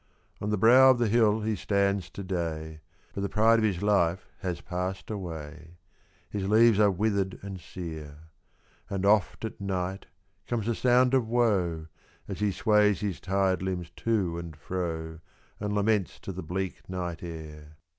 On the brow of the hill he stands to day, But the pride of his life has passed away; His leaves are withered and sere. And oft at night comes a sound of woe, As he sways his tired limbs to and fro And laments to the bleak night air.